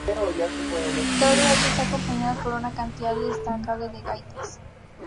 Todo ello está acompañado por una cantidad destacable de gaitas.